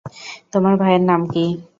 তোমার ভাইয়ের নাম কী?